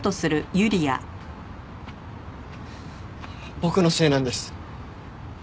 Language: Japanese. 僕のせいなんです。